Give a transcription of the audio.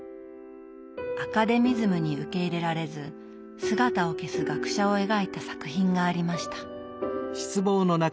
アカデミズムに受け入れられず姿を消す学者を描いた作品がありました。